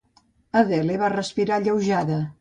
Adele va respirar alleujada.